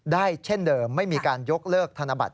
เช่นเดิมไม่มีการยกเลิกธนบัตร